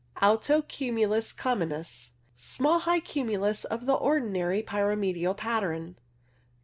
Alto cumulus communis. Small high cumulus of the ordinary pyramidal pattern.